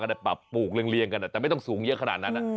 ได้ปรับปลูกเรียงกันแต่ไม่ต้องสูงเยอะขนาดนั้น